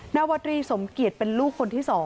นาวตรีสมเกียจเป็นลูกคนที่๒